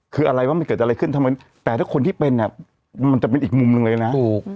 คืออะไรว่ามันเกิดอะไรขึ้นทำไมแต่ถ้าคนที่เป็นอ่ะมันจะเป็นอีกมุมหนึ่งเลยนะถูก